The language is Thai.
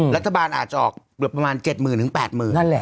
รัฐบาลอาจจะออกประมาณเจ็ดหมื่นหรือแปดหมื่น